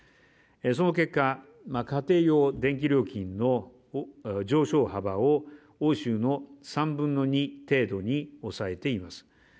その結果、家庭用電気料金の上昇幅を、欧州の３分の２程度に抑えています。